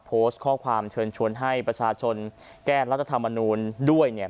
โพสต์ข้อความเชิญชวนให้ประชาชนแก้รัฐธรรมนูลด้วยเนี่ย